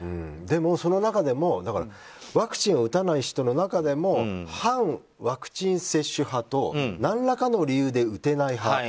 でも、その中でもワクチンを打たない人の中でも反ワクチン接種派と何らかの理由で打てない派。